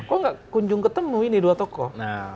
kok nggak kunjung ketemu ini dua tokoh